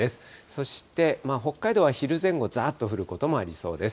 そして北海道は昼前後、ざーっと降ることもありそうです。